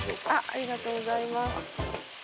ありがとうございます。